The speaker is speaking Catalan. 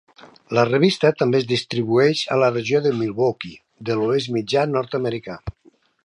La revista també es distribueix a la regió de Milwaukee de l'Oest Mitjà nord-americà.